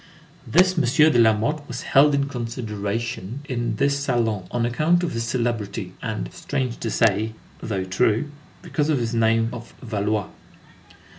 This M. de Lamothe was "held in consideration" in this salon on account of his "celebrity" and, strange to say, though true, because of his name of Valois.